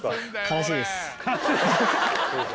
「悲しいです」